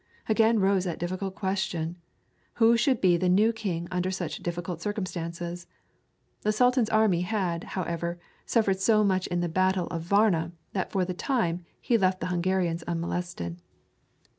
Again arose that difficult question: Who should be the new king under such difficult circumstances? The Sultan's army had, however, suffered so much in the battle of Varna that for the time he left the Hungarians unmolested.